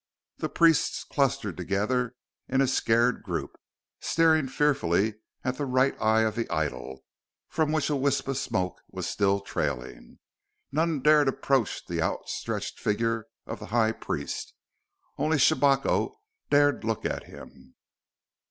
The priests clustered together in a scared group, staring fearfully at the right eye of the idol, from which a wisp of smoke was still trailing. None dared approach the outstretched figure of the High Priest. Only Shabako dared look at him.